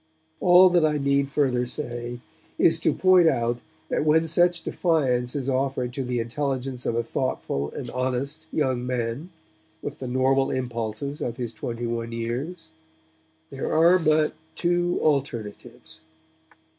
All that I need further say is to point out that when such defiance is offered to the intelligence of a thoughtful and honest young man with the normal impulses of his twenty one years, there are but two alternatives.